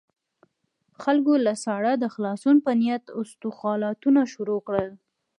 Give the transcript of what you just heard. خلکو له ساړه د خلاصون په نيت اسخولاتونه شروع کړل.